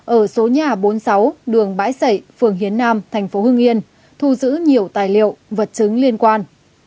ở số nhà bốn mươi sáu đường bãi sảy phường hiến nam thành phố hưng yên thu giữ nhiều tài liệu vật chứng liên quan